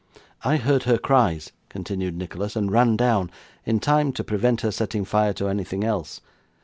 'I heard her cries,' continued Nicholas, 'and ran down, in time to prevent her setting fire to anything else.